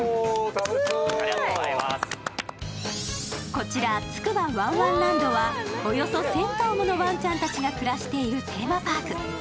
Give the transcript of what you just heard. こちら、つくばわんわんランドはおよそ１０００頭ものワンちゃんが暮らしているテーマパーク。